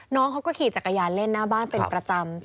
น้องเขาก็ขี่จักรยานเล่นหน้าบ้านเป็นประจำ